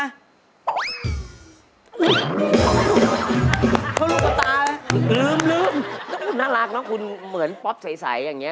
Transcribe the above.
น้องคุณน่ารักน้องคุณเหมือนป๊อปใสอย่างนี้